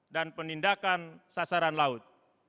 dan penindakan sasaran laut